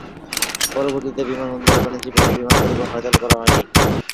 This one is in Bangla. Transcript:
পরবর্তীতে বিমানবন্দরে বাণিজ্যিকভাবে বিমান পরিবহন আর চালু হয়নি।